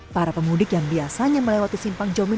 para pemudik yang biasanya melewati simpang jomin